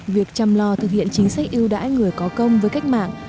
việc chăm lo thực hiện chính sách yêu đãi người có công với cách mạng